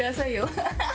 アハハハ！